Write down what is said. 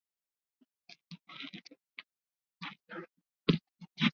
Mwaka huo alivuliwa Umakamu wa Rais na kupelekwa Wizara ya AfyaMwaka elfu moja